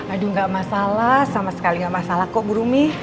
aduh gak masalah sama sekali nggak masalah kok bu rumi